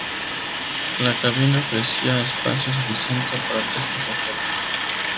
La cabina ofrecía espacio suficiente para tres pasajeros.